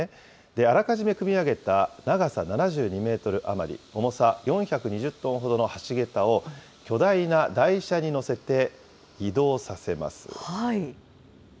あらかじめ組み上げた長さ７２メートル余り、重さ４２０トンほどの橋桁を、巨大な台車に載せて移動させます。